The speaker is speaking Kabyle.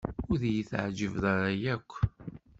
Ur iyi-teɛǧibeḍ ara akk.